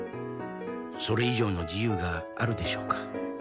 「それ以上の自由があるでしょうか」